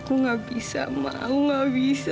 aku nggak bisa hidup tanpa wisnu